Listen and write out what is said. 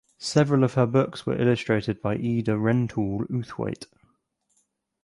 Several of her books were illustrated by Ida Rentoul Outhwaite.